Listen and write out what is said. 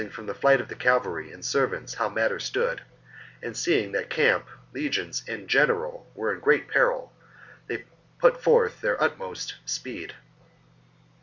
from the flight of the cavalry and servants how matters stood, and seeing that camp, legions, and general were in great peril, they put forth their utmost speed.